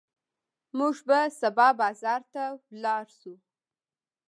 موږ به سبا بازار ته لاړ شو.